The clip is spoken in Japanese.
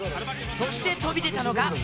そして飛び出たのが。